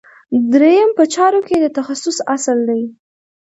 دریم په چارو کې د تخصص اصل دی.